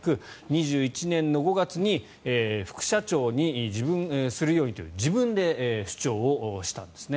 ２１年の５月に副社長に自分をするようにと自分で主張をしたんですね。